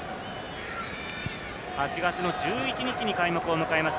８月の１１日に開幕を迎えます。